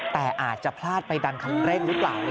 แต่อาจจะพลาดไปดันคันเร่งหรือเปล่า